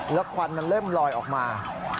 แล้วควันมันเริ่มลอยออกมา